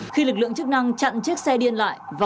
khi lực lượng chức năng chặn chiếc xe điên lại và không chạy